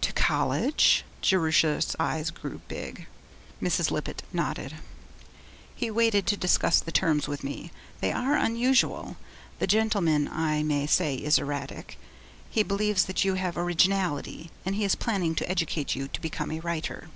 'To college?' Jerusha's eyes grew big. Mrs. Lippett nodded. 'He waited to discuss the terms with me. They are unusual. The gentleman, I may say, is erratic. He believes that you have originality, and he is planning to educate you to become a writer.'